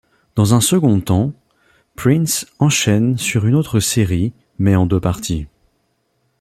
Dans un second temps, Prince enchaine sur une autre série mais en deux parties.